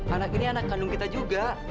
anak ini anak kandung kita juga